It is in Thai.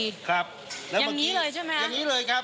อย่างงี้เลยครับ